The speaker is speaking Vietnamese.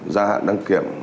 giá hạn đăng kiểm